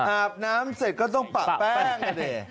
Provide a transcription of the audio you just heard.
อาบน้ำเสร็จก็ต้องปะแป้ง